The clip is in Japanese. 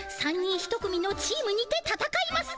３人１組のチームにてたたかいます。